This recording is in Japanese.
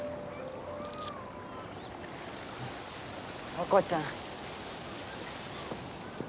和子ちゃん。